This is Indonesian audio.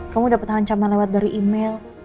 kamu dapat ancaman lewat dari email